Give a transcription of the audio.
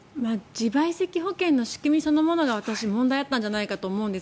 自賠責保険の仕組みそのものが私は問題あったんじゃないかと思います。